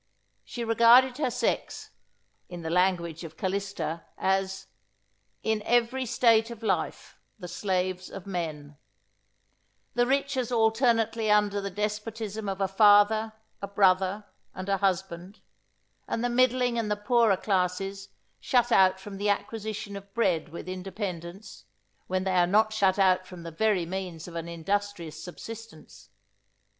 She regarded her sex, in the language of Calista, as "In every state of life the slaves of men:" the rich as alternately under the despotism of a father, a brother, and a husband; and the middling and the poorer classes shut out from the acquisition of bread with independence, when they are not shut out from the very means of an industrious subsistence.